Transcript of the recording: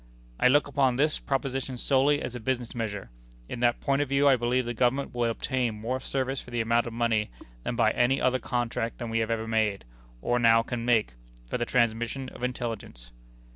"I look upon this proposition solely as a business measure; in that point of view I believe the Government will obtain more service for the amount of money, than by any other contract that we have ever made, or now can make, for the transmission of intelligence."